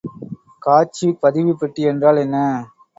காட்சிப் பதிவுப் பெட்டி என்றால் என்ன?